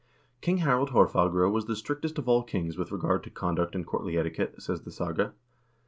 ''King Harald Haarfagre was the strictest of all kings with regard to conduct and courtly etiquette," says the saga.